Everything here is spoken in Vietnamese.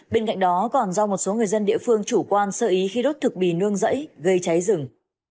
bên cạnh đó còn do một số người dân địa phương chủ quan sơ ý khi đốt thực bì nương rẫy gây cháy rừng